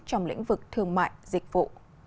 trong lĩnh vực thương mại dịch vụ